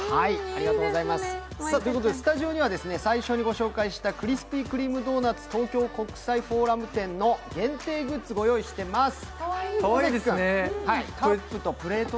スタジオには最初にご紹介したクリスピー・クリーム・ドーナツ国際フォーラム店の限定グッズ、ご用意してます。